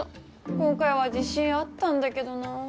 今回は自信あったんだけどなあ